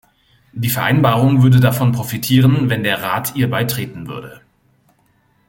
Die Vereinbarung würde davon profitieren, wenn der Rat ihr beitreten würde.